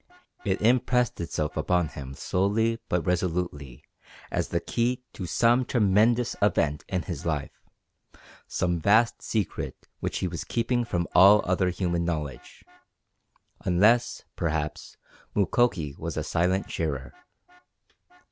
It impressed itself upon him slowly but resolutely as the key to some tremendous event in his life, some vast secret which he was keeping from all other human knowledge, unless, perhaps, Mukoki was a silent sharer.